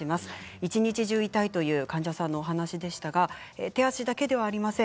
一日中痛いという患者さんのお話でしたが手足だけではありません。